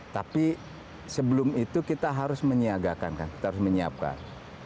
tapi sebelum itu kita harus menyiagakan kan kita harus menyiapkan